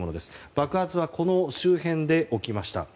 爆発はこの周辺で起きました。